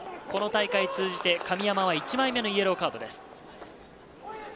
この大会を通じて神山は１枚目のイエローカードです。